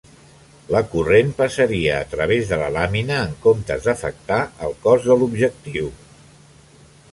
La corrent passaria a través de la làmina en comptes d'afectar el cos de l'objectiu.